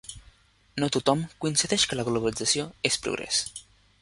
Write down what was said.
No tothom coincideix que la globalització és progrés